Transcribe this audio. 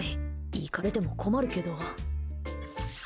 行かれても困るけど。